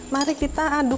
mari kita aduk